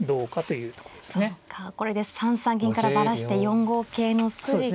そうかこれで３三銀からバラして４五桂の筋で。